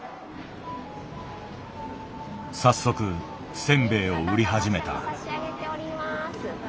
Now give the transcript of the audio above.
早速せんべいを売り始めた。